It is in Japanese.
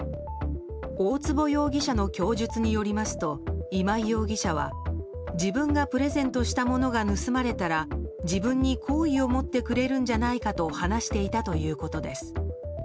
大坪容疑者の供述によりますと今井容疑者は自分がプレゼントしたものが盗まれたら自分に好意を持ってくれるんじゃないかと話していたということです。